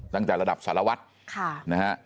ตั้งแต่ระดับสารวัตรนะฮะ